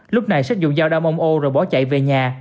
lúc này sách dùng dao đâm ông ô rồi bỏ chạy về nhà